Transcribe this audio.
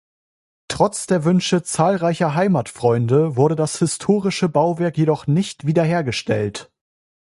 Trotz der Wünsche zahlreicher Heimatfreunde wurde das historische Bauwerk jedoch nicht wiederhergestellt.